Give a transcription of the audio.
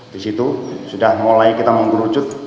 di situ sudah mulai kita mengkerucut